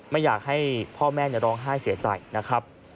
ไม่อยากให้พ่อแม่ร้องไห้เสียใจนะครับ